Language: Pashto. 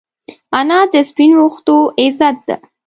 انا د سپین ویښتو عزت ده